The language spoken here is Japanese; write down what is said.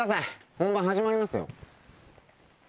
本番始まりますよ。